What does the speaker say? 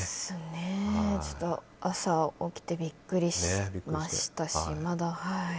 ちょっと、朝起きてビックリしましたし、まだ。